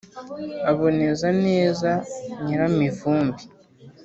uboneza neza nyiramivumbi